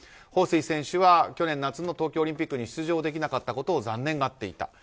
ホウ・スイ選手は去年夏の東京オリンピックに出場できなかったことを残念がっていた。